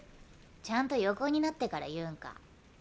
ちゃんと横になってから言うんか。